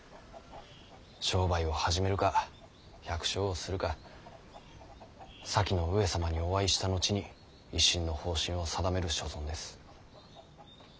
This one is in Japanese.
商売を始めるか百姓をするか先の上様にお会いした後に一身の方針を定める所存です。